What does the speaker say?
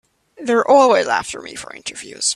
They're always after me for interviews.